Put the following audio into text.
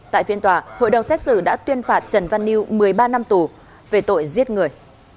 tại phiên tòa hội đồng xét xử đã tuyên phạt trần văn liêu một mươi ba năm tù về tội giết người